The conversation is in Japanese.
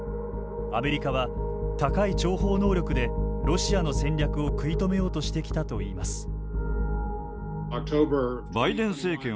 アメリカは高い諜報能力でロシアの戦略を食い止めようとしてきたといいます。